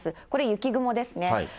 これ、雪雲ですね。